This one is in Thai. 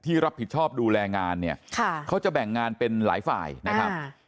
รับผิดชอบดูแลงานเนี่ยเขาจะแบ่งงานเป็นหลายฝ่ายนะครับ